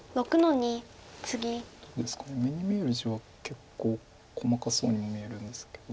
目に見える地は結構細かそうに見えるんですけど。